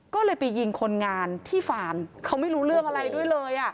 ก็เลยไปยิงคนงานที่ฟาร์มเขาไม่รู้เรื่องอะไรด้วยเลย